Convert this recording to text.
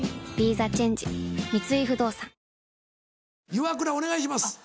イワクラお願いします。